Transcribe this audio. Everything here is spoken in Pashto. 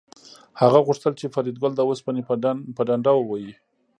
هغه غوښتل چې فریدګل د اوسپنې په ډنډه ووهي